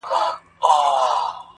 o بیا اوښتی میکدې ته مي نن پام دی,